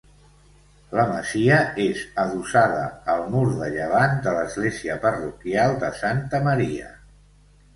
La masia és adossada al mur de llevant de l'església parroquial de Santa Maria.